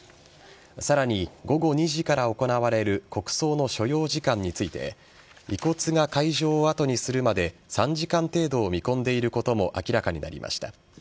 さらに、午後２時から行われる国葬の所要時間について遺骨が会場を後にするまで３時間程度を見込んでいることも明らかになりました。